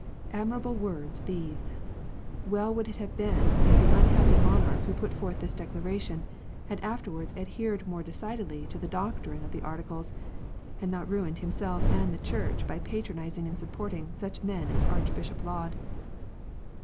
Admirable words these ! Well would it have been if the unhappy Monarch who put forth this declaration, had afterwards adhered more decidedly to the doctrine of the Articles, and not ruined himself and the Church by patronizing and supporting such men as Archbishop Laud.